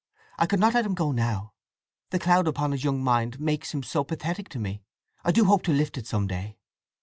I could not let him go now! The cloud upon his young mind makes him so pathetic to me; I do hope to lift it some day!